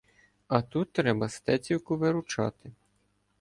А тут треба Стецівку виручати.